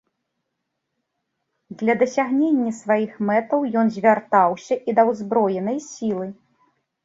Для дасягнення сваіх мэтаў ён звяртаўся і да ўзброенай сілы.